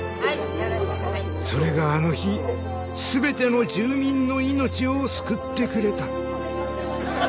それがあの日全ての住民の命を救ってくれた。